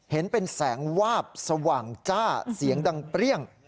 เห็นเป็นแสงวาบสว่างจ้าเสียงดังเปรี้ยง